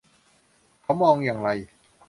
เขามองอย่างไร